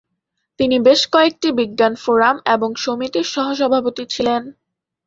তিনি বেশ কয়েকটি বিজ্ঞান ফোরাম এবং সমিতির সহ-সভাপতি ছিলেন।